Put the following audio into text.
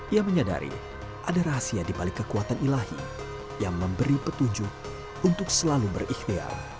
ia menyadari ada rahasia di balik kekuatan ilahi yang memberi petunjuk untuk selalu berikhtiar